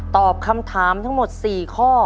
ตอบคำถามทั้งหมด๔ข้อ